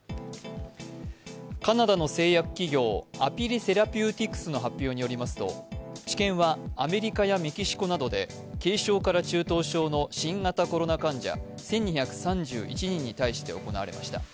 カナダの製薬企業アピリ・セラピューティクスの発表によりますと、治験はアメリカやメキシコなどで軽症から中等症の新型コロナ患者１２３１人に対して行われました。